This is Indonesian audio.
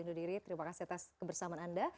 ndudiri terima kasih atas kebersamaan anda